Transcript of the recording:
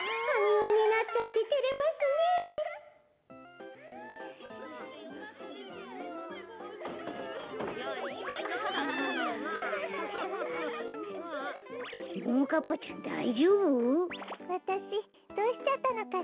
わたしどうしちゃったのかしら？